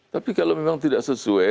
tapi kalau memang tidak sesuai